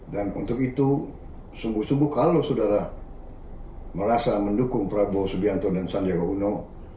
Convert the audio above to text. dan untuk itu sungguh sungguh kalau saudara merasa mendukung prabowo subianto dan sandiaga uno